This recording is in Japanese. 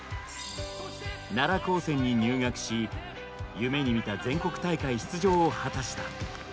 奈良高専に入学し夢に見た全国大会出場を果たした。